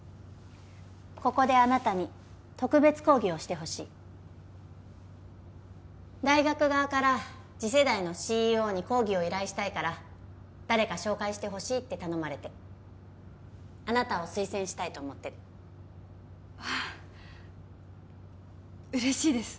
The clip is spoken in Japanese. ここであなたに特別講義をしてほしい大学側から次世代のＣＥＯに講義を依頼したいから誰か紹介してほしいって頼まれてあなたを推薦したいと思ってる嬉しいです